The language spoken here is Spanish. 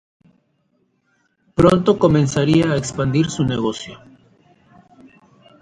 Pronto comenzaría a expandir su negocio.